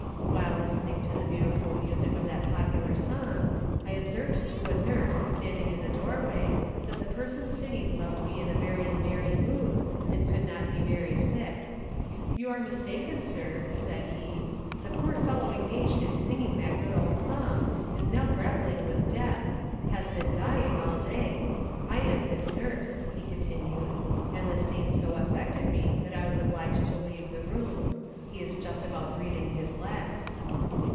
While listening to the beautiful music of that popular song, I observed to a nurse standing in the door way, that the person singing must be in a very merry mood, and could not be very sick. 'You are mistaken, sir,' said he; 'the poor fellow engaged in singing that good old song is now grappling with death has been dying all day. I am his nurse,' he continued, 'and the scene so affected me that I was obliged to leave the room. He is just about breathing his last.'